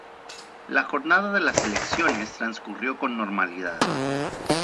La jornada de las elecciones transcurrió con normalidad.